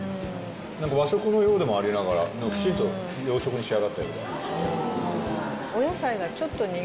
和食のようでもありながらきちんと洋食に仕上がってるから絶妙です